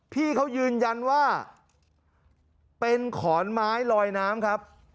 พี่เขายืนยันว่าเป็นขอนไม้ลอยน้ำครับ